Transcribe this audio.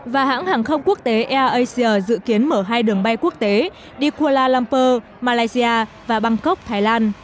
và hãng hàng không quốc tế air asia dự kiến mở hai đường bay quốc tế đi kuala lumpur malaysia và bangkok thái lan